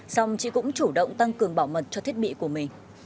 xong chị cũng chủ động tăng cường bảo mật cho thiết bị của mình